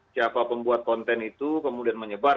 siapa pembuat konten itu kemudian menyebar